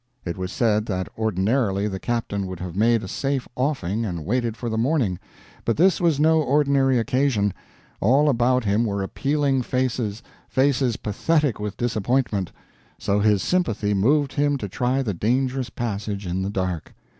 It was said that ordinarily the captain would have made a safe offing and waited for the morning; but this was no ordinary occasion; all about him were appealing faces, faces pathetic with disappointment. So his sympathy moved him to try the dangerous passage in the dark.